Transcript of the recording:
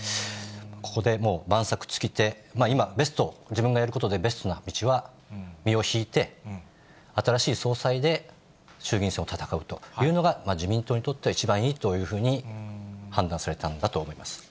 ここでもう、万策尽きて、今、ベスト、自分がやることでベストな道は身を引いて、新しい総裁で衆議院選を戦うということが、自民党にとっては一番いいというふうに判断されたんだと思います。